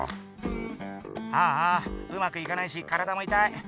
ああうまくいかないし体も痛い。